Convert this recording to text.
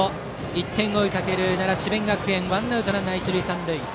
１点を追いかける奈良・智弁学園ワンアウトランナー、一塁三塁。